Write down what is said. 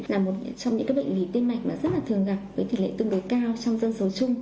là một trong những bệnh lý tiên mạch rất thường gặp với tỷ lệ tương đối cao trong dân số chung